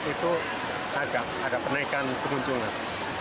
itu agak agak penaikan pengunjung mas